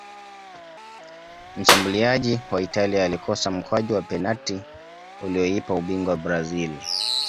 mshabuliaji wa italia alikosa mkwaju wa penati ulioipa ubingwa brazil